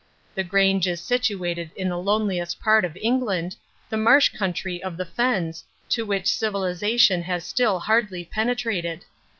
The Grange is situated in the loneliest part of England, the marsh country of the fens to which civilization has still hardly penetrated.